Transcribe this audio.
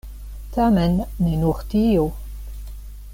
Tamen ne nur tio.